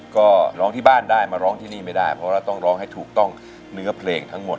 ก็ร้องที่บ้านได้มาร้องที่นี่ไม่ได้เพราะว่าต้องร้องให้ถูกต้องเนื้อเพลงทั้งหมด